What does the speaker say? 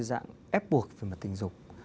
một dạng áp buộc về mặt tình dục